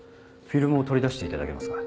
フィルムを取り出していただけますか？